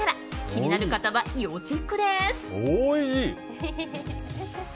気になる方は要チェックです。